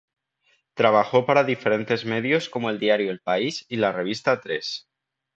Trabajo para diferentes medios como el diario el El País y la revista Tres.